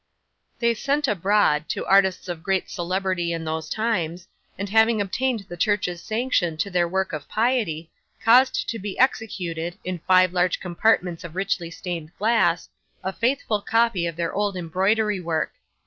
'They sent abroad, to artists of great celebrity in those times, and having obtained the church's sanction to their work of piety, caused to be executed, in five large compartments of richly stained glass, a faithful copy of their old embroidery work.